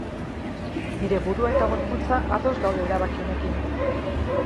Nire burua eta gorputza ados daude erabaki honekin.